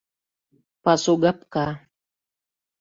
Пасугапка.